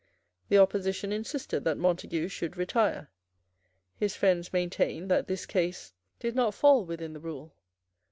The Opposition insisted that Montague should retire. His friends maintained that this case did not fall within the rule.